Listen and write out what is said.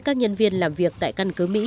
các nhân viên làm việc tại căn cứ mỹ